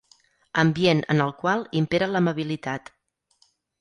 Ambient en el qual impera l'amabilitat.